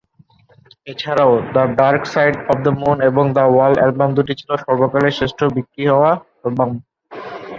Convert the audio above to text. এছাড়াও "the dark side of the moon" এবং "the wall" album দুটি ছিল সর্বকালের শ্রেষ্ঠ-বিক্রি হওয়া অ্যালবাম।